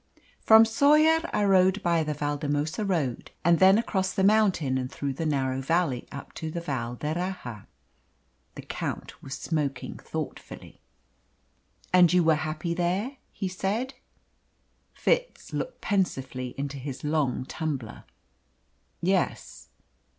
"From Soller I rode by the Valdemosa road, and then across the mountain and through that narrow valley up to the Val d'Erraha." The Count was smoking thoughtfully. "And you were happy there?" he said. Fitz looked pensively into his long tumbler. "Yes."